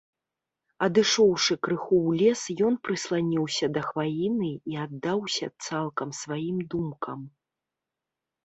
Адышоўшы крыху ў лес, ён прысланіўся да хваіны і аддаўся цалкам сваім думкам.